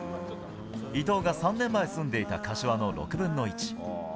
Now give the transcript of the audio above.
伊東が３年前住んでいた柏の６分の１。